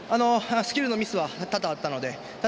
スキルのミスは多々あったんですが